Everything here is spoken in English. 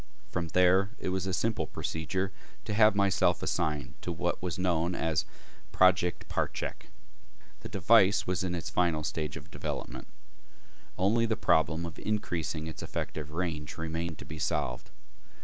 From there it was a simple procedure to have myself assigned to what was known as "Project Parchak." The device was in its final stage of development; only the problem of increasing its effective range remained to be solved.